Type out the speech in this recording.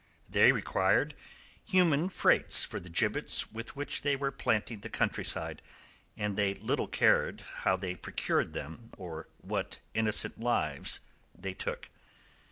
They required human freights for the gibbets with which they were planting the countryside, and they little cared how they procured them or what innocent lives they took.